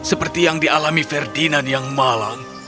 seperti yang di alami ferdinand yang malang